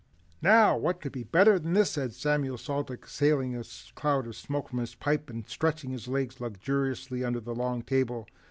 "Now what could be better than this?" said Samuel Salt exhaling a cloud of smoke from his pipe and stretching his legs luxuriously under the long table.